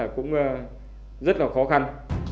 cũng rất là khó khăn